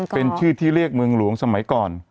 เป็นชื่อที่เรียกเมืองหลวงสมัยก่อน